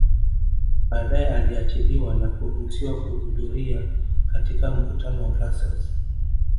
Badae aliachiliwa na kuruhusiwa kuhudhuria katika mkutano wa Brussels